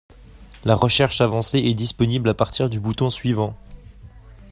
La recherche avancée est disponible à partir du bouton suivant